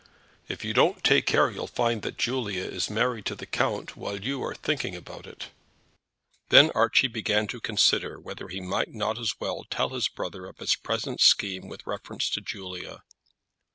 "If you don't take care you'll find that Julia is married to the count while you are thinking about it." Then Archie began to consider whether he might not as well tell his brother of his present scheme with reference to Julia.